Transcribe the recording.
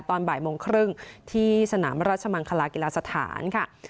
ตอนบ่ายโมงครึ่งที่สนามราชมังคลากีฬาสถานค่ะ